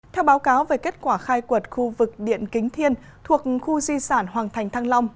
theo báo cáo về kết quả khai quật khu vực điện kính thiên thuộc khu di sản hoàng thành thăng long